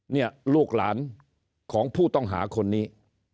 เนี่ยลูกหลานของผู้ต้องหาคนนี้